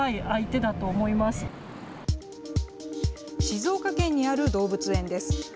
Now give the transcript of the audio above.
静岡県にある動物園です。